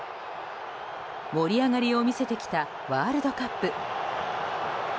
盛り上がりを見せてきたワールドカップ。